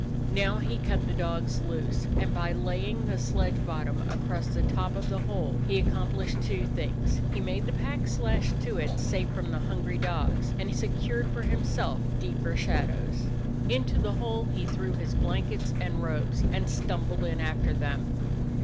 Now he cut the dogs loose, and by laying the sledge bottom up across the top of the hole he accomplished two things; he made the packs lashed to it safe from the hungry dogs, and secured for himself deeper shadows. Into the hole he threw his blankets and robes and stumbled in after them.